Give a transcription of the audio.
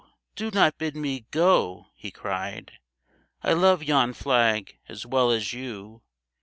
do not bid me go !' he cried ;* I love yon flag as well as you